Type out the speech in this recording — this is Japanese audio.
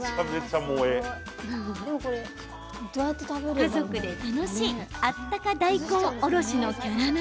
家族で楽しい温か大根おろしのキャラ鍋